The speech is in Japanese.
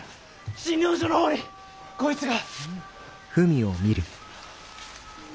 診療所のほうにこいつが！